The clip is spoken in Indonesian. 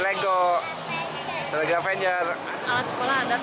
biasanya apa sih yang paling laris mbak